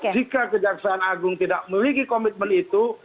jika kejaksaan agung tidak memiliki komitmen itu